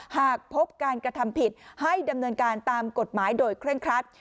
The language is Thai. หากพบการกระทำผิดให้ดำเนินการตามกฎหมายโดยเคร่งครัด